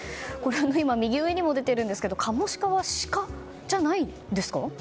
右上にも出ているんですがカモシカはシカじゃないんですか？